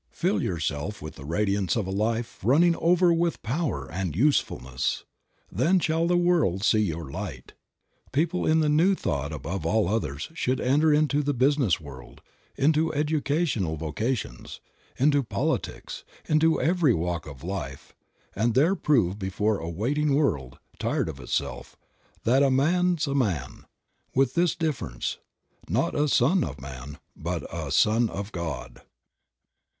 Fill yourself with the radiance of a life Creative Mind. 45 running over with power and usefulness. Then shall the world see your light. People in the New Thought above all others should enter into the business world, into educational vocations, into politics, into every walk of life, and there prove before a waiting world, tired of itself, that a "man's a man," with this difference: not a "son of man" but a "Son of God."